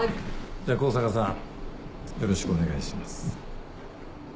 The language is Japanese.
じゃあ香坂さんよろしくお願いします。